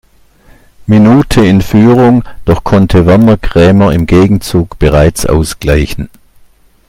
Minute in Führung, doch konnte Werner Krämer im Gegenzug bereits ausgleichen.